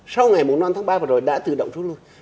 sau ngày năm tháng ba vừa rồi đã tự động rút lui